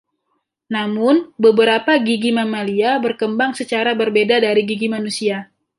Namun, beberapa gigi mamalia berkembang secara berbeda dari gigi manusia.